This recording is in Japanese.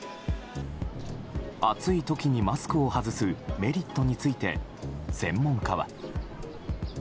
暑い時にマスクを外すメリットについて専門家は。